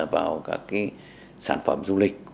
vào các sản phẩm du lịch